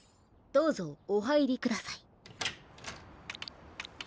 どうぞおはいりください。